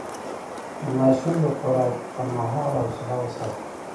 د ماشوم د خوراک پر مهال حوصله وساتئ.